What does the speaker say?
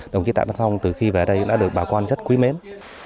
đồng chí tạ viết phong từ khi về đây đã được bảo quan rất quý mến